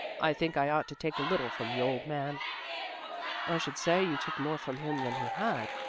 I think I ought to take a little from the old man." "I should say you took more from him than he had.